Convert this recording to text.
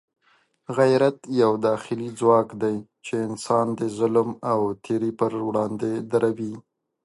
غیرت یو داخلي ځواک دی چې انسان د ظلم او تېري پر وړاندې دروي.